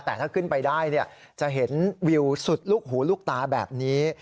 แต่ถ้าขึ้นไปได้จะเห็นวิวสุดลูกหูลูกตาแบบนี้